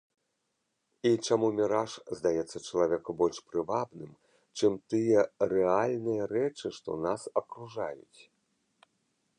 І чаму міраж здаецца чалавеку больш прывабным, чым тыя рэальныя рэчы, што нас акружаюць?